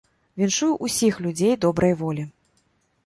Віншую ўсіх людзей добрай волі!